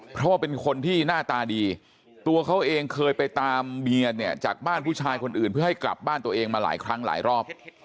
เพราะว่าเป็นคนที่หน้าตาดีตัวเขาเองเคยไปตามเมียเนี่ยจากบ้านผู้ชายคนอื่นเพื่อให้กลับบ้านตัวเองมาหลายครั้งหลายรอบ